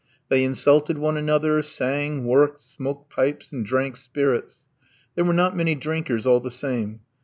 They insulted one another, sang, worked, smoked pipes, and drank spirits. There were not many drinkers all the same.